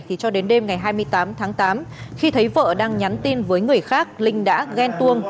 thì cho đến đêm ngày hai mươi tám tháng tám khi thấy vợ đang nhắn tin với người khác linh đã ghen tuông